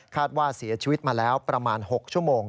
ว่าเสียชีวิตมาแล้วประมาณ๖ชั่วโมง